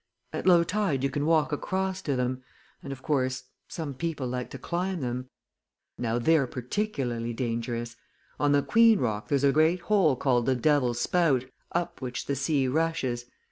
At low tide you can walk across to them. And of course, some people like to climb them. Now, they're particularly dangerous! On the Queen rock there's a great hole called the Devil's Spout, up which the sea rushes.